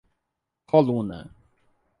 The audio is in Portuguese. Coluna